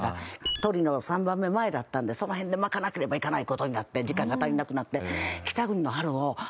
トリの３番目前だったんでその辺で巻かなければいかない事になって時間が足りなくなって。